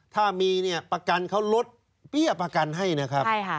ถ้ามีเนี่ยประกันเขาลดเบี้ยประกันให้นะครับ